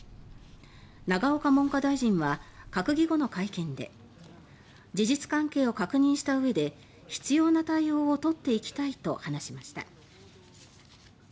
永岡文科大臣は、閣議後の会見で事実関係を確認したうえで必要な対応を取っていきたいと話しました。